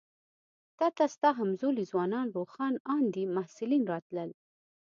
تا ته ستا همزولي ځوانان روښان اندي محصلین راتلل.